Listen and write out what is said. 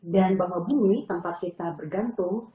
dan bahwa bumi tanpa kita bergantung